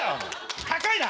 高いな！